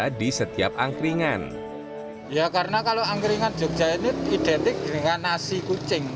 ya di setiap angkringan ya karena kalau angkringan jogja ini identik dengan nasi kucing